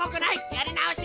やり直し！